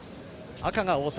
赤が太田。